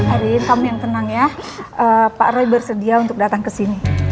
hari ini kamu yang tenang ya pak roy bersedia untuk datang ke sini